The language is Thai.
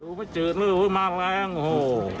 ดูไม่เจือดนะมากแรงโอ้โฮ